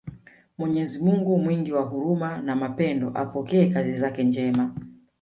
Mwenyezi Mungu mwingi wa huruma na mapendo apokee kazi zake njema